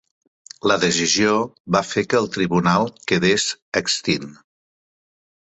La decisió va fer que el Tribunal quedés extint.